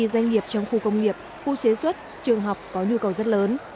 doanh nghiệp trong khu công nghiệp khu chế xuất trường học có nhu cầu rất lớn